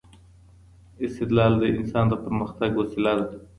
استدلال د انسان د پرمختګ وسيله ده.